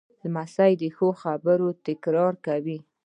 لمسی د ښو خبرو تکرار کوي.